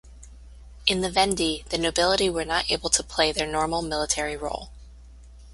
In the Vendee, the nobility were not able to play their normal military role.